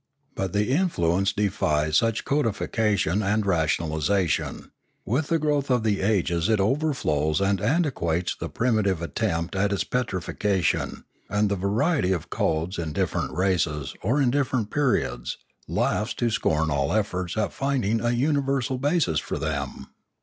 But the influence defies such codification and rationalisation; with the growth of the ages it overflows and antiquates the primitive attempt at its petrifaction, and the variety of codes in different races or in different periods laughs to scorn all efforts at finding a universal basis for them.